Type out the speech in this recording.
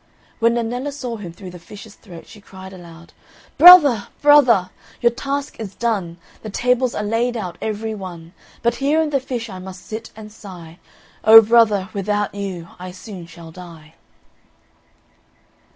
When Nennella saw him through the fish's throat, she cried aloud, "Brother, brother, your task is done, The tables are laid out every one; But here in the fish I must sit and sigh, O brother, without you I soon shall die."